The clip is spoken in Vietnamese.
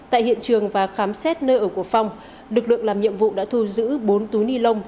tại hiện trường và khám xét nơi ở của phong lực lượng làm nhiệm vụ đã thu giữ bốn túi ni lông